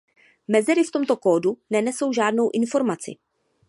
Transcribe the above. Mezery v tomto kódu nenesou žádnou informaci.